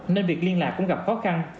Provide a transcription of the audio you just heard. nên việc liên lạc cũng gặp khó khăn